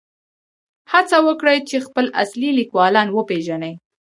هڅه وکړئ چې خپل اصلي لیکوالان وپېژنئ.